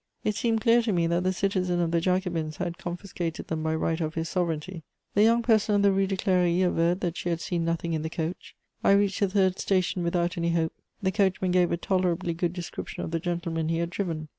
It seemed clear to me that the citizen of the Jacobins had confiscated them by right of his sovereignty. The young person of the Rue de Cléry averred that she had seen nothing in the coach. I reached the third station without any hope; the coachman gave a tolerably good description of the gentleman he had driven.